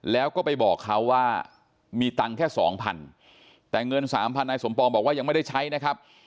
แล้วก็ไปบอกเขาว่ามีตังค์แค่สองพันแต่เงินสามพันนายสมปองบอกว่ายังไม่ได้ใช้นะครับ